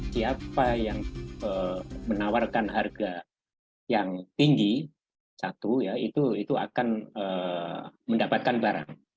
siapa yang menawarkan harga yang tinggi satu ya itu akan mendapatkan barang